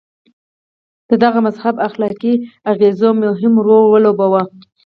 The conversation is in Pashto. د دغه مذهب اخلاقي اغېزو مهم رول ولوباوه.